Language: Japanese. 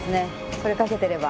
これかけてれば。